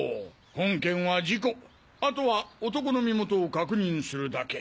本件は事故後は男の身元を確認するだけ。